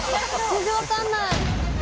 全然分かんない。